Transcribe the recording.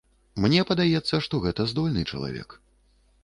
Мне падаецца, што гэта здольны чалавек.